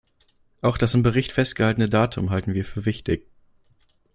Auch das im Bericht festgehaltene Datum halten wir für wichtig.